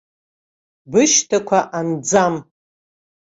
Бышьҭақәа анӡам.